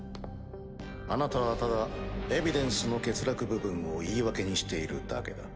あなたはただエビデンスの欠落部分を言い訳にしているだけだ。